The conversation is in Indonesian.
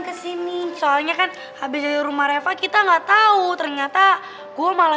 kesini soalnya kan habis rumah reva kita enggak tahu ternyata gua malah